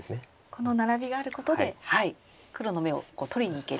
このナラビがあることで黒の眼を取りにいける。